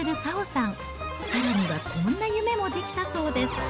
さらにはこんな夢も出来たそうです。